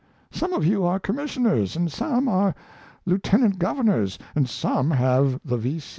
Some of you are Commissioners and some are Lieutenant Governors, and some have the V.